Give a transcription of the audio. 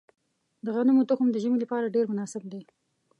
د غنمو تخم د ژمي لپاره ډیر مناسب دی.